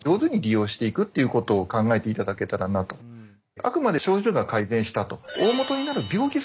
あくまで症状が改善したと。